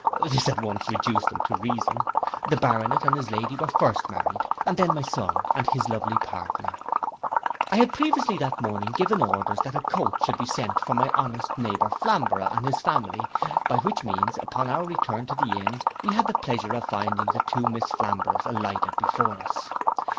'—This at once reduced them to reason. The Baronet and his Lady were first married, and then my son and his lovely partner. I had previously that morning given orders that a coach should be sent for my honest neighbour Flamborough and his family, by which means, upon our return to the inn, we had the pleasure of finding the two Miss Flamboroughs alighted before us.